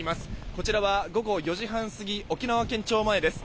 こちらは午後４時半過ぎ沖縄県庁前です。